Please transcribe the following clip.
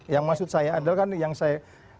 yang maksud saya adalah kan yang saya